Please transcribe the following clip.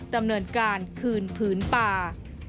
ดำเนินการคืนผืนป่า